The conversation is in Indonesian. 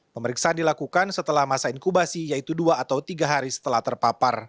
pemeriksaan dilakukan setelah masa inkubasi yaitu dua atau tiga hari setelah terpapar